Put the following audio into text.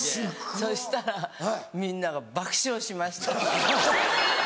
そしたらみんなが爆笑しました。